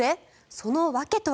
その訳とは。